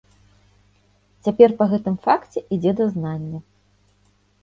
Цяпер па гэтым факце ідзе дазнанне.